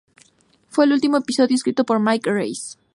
Fue el último episodio escrito por Mike Reiss.